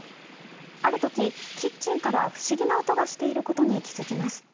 ある時、キッチンから不思議な音がしていることに気付きます。